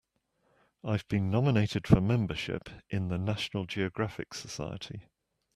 I've been nominated for membership in the National Geographic Society.